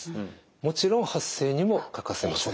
もちろん発声にも欠かせません。